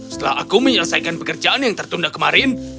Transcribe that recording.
setelah aku menyelesaikan pekerjaan yang tertunda kemarin